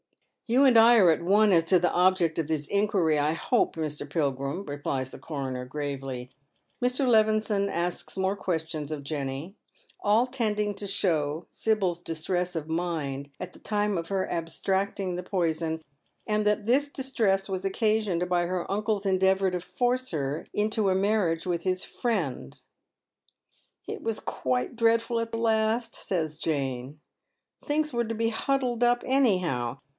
" You and I are at one as to the object of this inquiry, I hope, Mr. Pilgrim," replies the coroner, gi avely. Mr. Levison asks more questions of Jenny, all tending to show Sibyl's distress of mind at the time of her abstracting the poison, and that this distress was occasioned by her uncle's endeavour to force her into a marriage with his friend. " It was quite dreadful at the last," says Jane. " Things were to be huddled uj? anyhow.